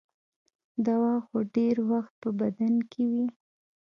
دوا خو ډېر وخت په بدن کې وي.